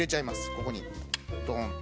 ここにドーンと。